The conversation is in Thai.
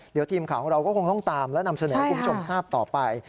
เดี๋ยวทีมข่าวของเราก็คงต้องตามและนำเสนอให้คุณผู้ชมทราบต่อไป